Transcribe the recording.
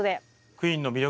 クイーンの魅力